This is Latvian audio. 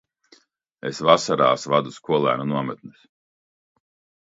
Es vasarās vadu skolēnu nometnes.